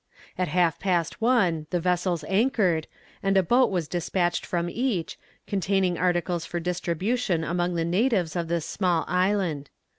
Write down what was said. At half past one the vessels anchored, and a boat was despatched from each, containing articles for distribution among the natives of this small island.